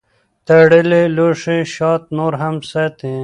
تړلی لوښی شات نور هم ساتي.